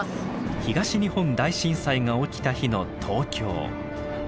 東日本大震災が起きた日の東京。